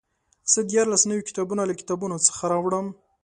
زه دیارلس نوي کتابونه له کتابتون څخه راوړم.